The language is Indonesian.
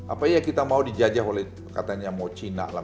apakah kita mau dijajah oleh katanya mau cina lah